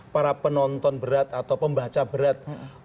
para penonton berat atau pembaca berat